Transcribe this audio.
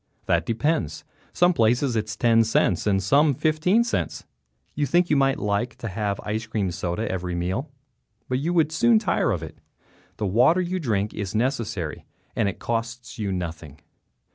That depends; some places it is ten cents and some fifteen cents. You think you might like to have ice cream soda every meal, but you would soon tire of it. The water you drink is necessary, and it costs you nothing.